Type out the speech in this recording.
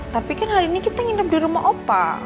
tapi kan hari ini kita nginep di rumah opa